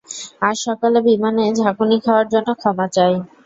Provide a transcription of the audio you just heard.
আজ সকালে বিমানে ঝাঁকুনি খাওয়ার জন্য ক্ষমা চাই।